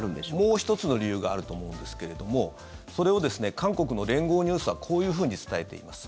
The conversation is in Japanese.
もう１つの理由があると思うんですけれどもそれを韓国の連合ニュースはこういうふうに伝えています。